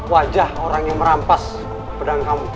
wajah orang yang merampas pedang kamu